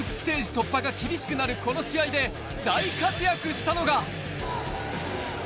突破が厳しくなるこの試合で大活躍したのが。